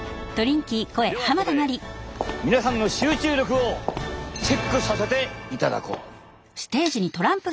ではここで皆さんの集中力をチェックさせていただこう。